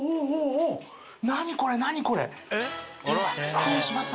失礼します